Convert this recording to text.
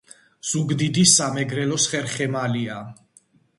ზუგდიდი სამეგრელოს ხერხემალია